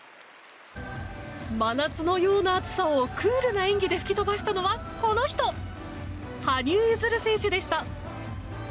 真夏のような暑さをクールな演技で吹き飛ばしたのはこの人羽生結弦選手でした。